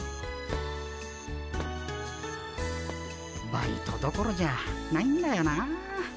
バイトどころじゃないんだよなあ。